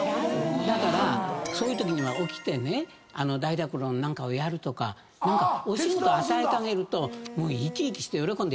だからそういうときには起きてね台所の何かをやるとか何かお仕事与えてあげると生き生きして喜んでやるよ。